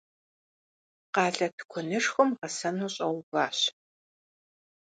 Къалэ тыкуэнышхуэм гъэсэну щӏэуващ.